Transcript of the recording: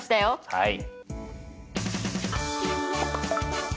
はい。